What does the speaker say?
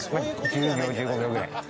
１０秒１５秒ぐらい。